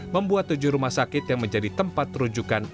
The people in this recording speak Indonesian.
membuat tujuh rumah sakit yang menjadi tempat terujukan